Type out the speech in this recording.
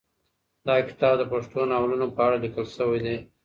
دا کتاب د پښتو ناولونو په اړه لیکل شوی دی.